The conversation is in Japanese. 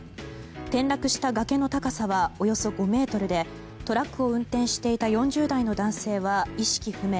転落した崖の高さはおよそ５ｍでトラックを運転していた４０代の男性は意識不明。